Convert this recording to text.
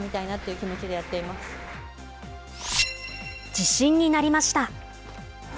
自信になりました。